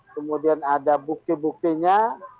kemudian ada bukti buktinya